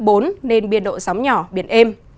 cấp bốn nên biên độ sóng nhỏ biển êm